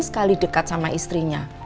sekali dekat sama istrinya